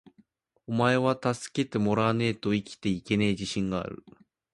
｢おれは助けてもらわねェと生きていけねェ自信がある!!!｣